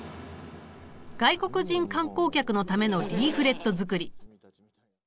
外国人観光客のためのリーフレット作り。